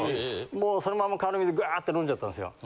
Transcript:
もうそのまま川の水グワーッと飲んじゃったんですよ。